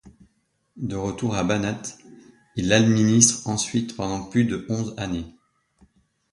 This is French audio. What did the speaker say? De retour au Banat, il l'administre ensuite pendant plus de onze années.